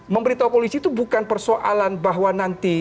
memberitahu polisi itu bukan persoalan bahwa nanti